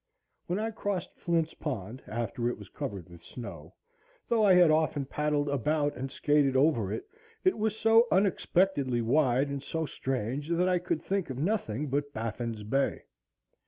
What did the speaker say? When I crossed Flint's Pond, after it was covered with snow, though I had often paddled about and skated over it, it was so unexpectedly wide and so strange that I could think of nothing but Baffin's Bay.